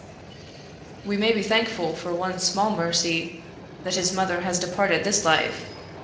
We may be thankful for one small mercy, that his mother has departed this life!